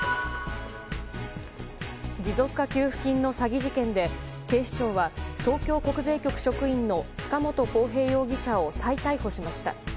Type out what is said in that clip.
持続化給付金の詐欺事件で警視庁は東京国税局職員の塚本晃平容疑者を再逮捕しました。